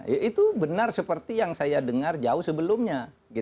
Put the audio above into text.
ya itu benar seperti yang saya dengar jauh sebelumnya